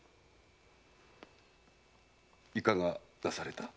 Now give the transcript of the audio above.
いかがなされた？